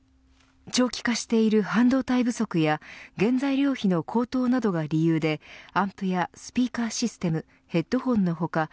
長期化している半導体不足や原材料費の高騰などが理由でアンプやスピーカーシステムヘッドホンの他